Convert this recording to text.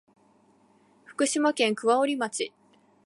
福島県桑折町